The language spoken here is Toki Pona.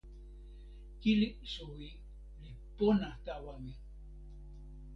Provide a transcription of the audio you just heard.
kili suwi li pona tawa mi.